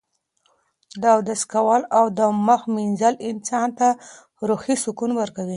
د اودس کول او د مخ مینځل انسان ته روحي سکون ورکوي.